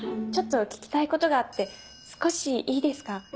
ちょっと聞きたいことがあって少しいいですか？